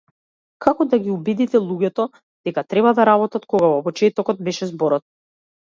Како да ги убедите луѓето дека треба да работат, кога во почетокот беше зборот?